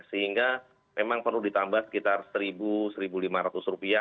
sehingga memang perlu ditambah sekitar rp satu rp satu lima ratus